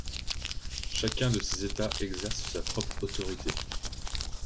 Chacun de ces états exercent sa propre autorité.